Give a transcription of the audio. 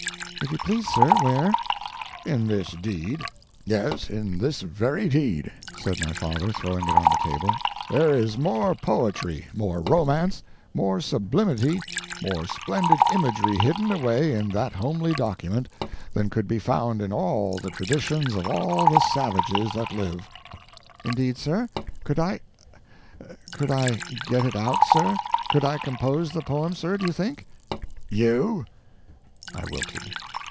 "If you please, sir, where?" "In this deed." "Yes in this very deed," said my father, throwing it on the table. "There is more poetry, more romance, more sublimity, more splendid imagery hidden away in that homely document than could be found in all the traditions of all the savages that live." "Indeed, sir? Could I could I get it out, sir? Could I compose the poem, sir, do you think?" "You?" I wilted.